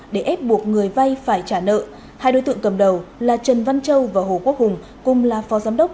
để ép buộc người vay phải trả nợ hai đối tượng cầm đầu là trần văn châu và hồ quốc hùng cùng là phó giám đốc